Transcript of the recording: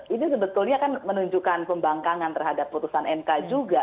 ini sebetulnya kan menunjukkan pembangkangan terhadap putusan mk juga